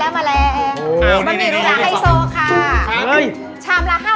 มาแล้วจ้ามาแล้วมาแล้ว